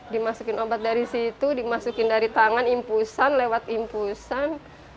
dimasukin obat dari situ dimasukin dari tangan impusan lewat impusan